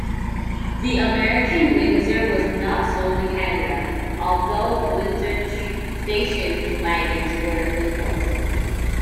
The American Windsor was not sold in Canada although Windsor station wagons were imported.